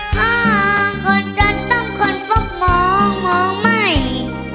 ห้องคนจนต้องคนฟุกมองมองใหม่